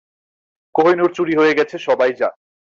কোহিনূর চুরি হয়ে গেছে, সবাই জানে।